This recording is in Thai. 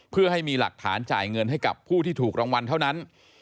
เพื่อให้มีหลักฐานจ่ายเงินให้กับผู้ที่ถูกรางวัลเท่านั้น